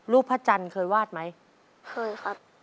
พระจันทร์เคยวาดไหมเคยครับ